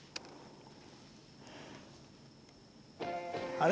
あれ？